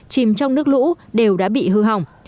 chìm trong nước lũ đều đã bị hư hỏng